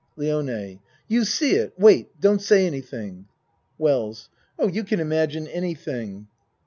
LIONE You see it! Wait! Don't say anything. WELLS Oh, you can imagine anything.